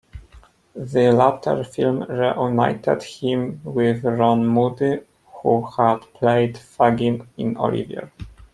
The latter film reunited him with Ron Moody, who had played Fagin in "Oliver!".